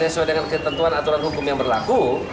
sesuai dengan ketentuan aturan hukum yang berlaku